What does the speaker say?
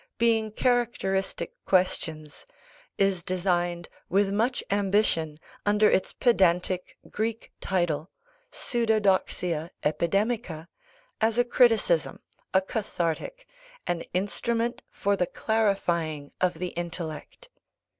being characteristic questions is designed, with much ambition, under its pedantic Greek title Pseudodoxia Epidemica, as a criticism, a cathartic, an instrument for the clarifying of the intellect.